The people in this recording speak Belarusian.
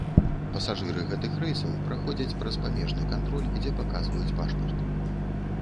Пасажыры гэтых рэйсаў праходзяць праз памежны кантроль, дзе паказваюць пашпарт.